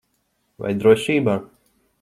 Vai drošībā?